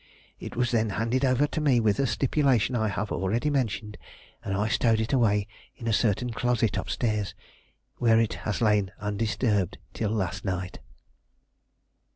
It was then handed over to me with the stipulation I have already mentioned, and I stowed it away in a certain closet up stairs, where it has lain undisturbed till last night.